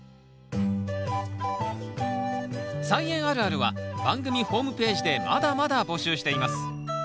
「菜園あるある」は番組ホームページでまだまだ募集しています。